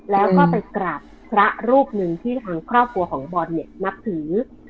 แล้วก็ไปกราบพระรูปหนึ่งที่ทางครอบครัวของบอลเนี่ยนับถือ